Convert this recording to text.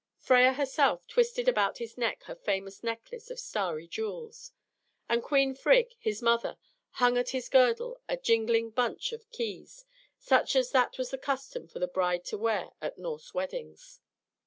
Freia herself twisted about his neck her famous necklace of starry jewels, and Queen Frigg, his mother, hung at his girdle a jingling bunch of keys, such as was the custom for the bride to wear at Norse weddings.